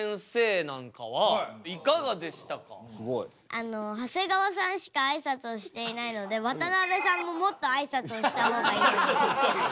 あの長谷川さんしかあいさつをしていないので渡辺さんももっとあいさつをした方がいいと思いました。